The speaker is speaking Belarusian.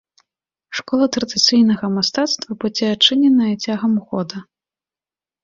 Школа традыцыйнага мастацтва будзе адчыненая цягам года.